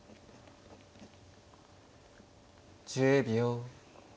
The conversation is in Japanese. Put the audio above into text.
１０秒。